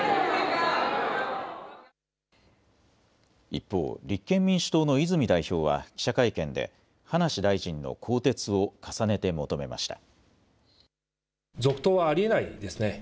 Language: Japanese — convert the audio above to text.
一方、立憲民主党の泉代表は記者会見で葉梨大臣の更迭を重ねて求めました。